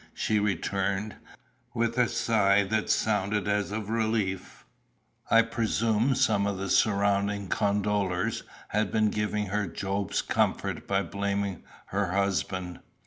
she returned, with a sigh that sounded as of relief. I presume some of the surrounding condolers had been giving her Job's comfort by blaming her husband.